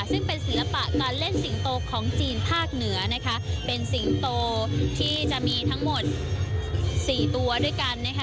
ซึ่งเป็นศิลปะการเล่นสิงโตของจีนภาคเหนือนะคะเป็นสิงโตที่จะมีทั้งหมดสี่ตัวด้วยกันนะคะ